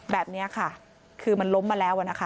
แบบนี้ค่ะคือมันล้มมาแล้วนะคะ